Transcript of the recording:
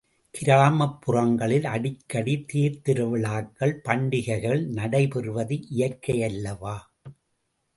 கிராமப்புறங்களில் அடிக்கடி தேர் திருவிழாக்கள், பண்டிகைகள் நடைபெறுவது இயற்கையல்லவா!